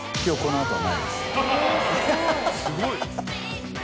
すごい。